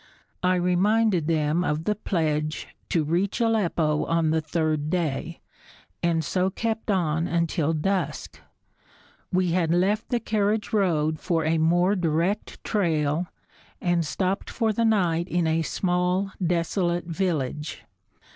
I reminded them of the pledge to reach Aleppo on the third day, and so kept on until dusk. We had left the carriage road for a more direct trail and stopped for the night in a small, desolate village.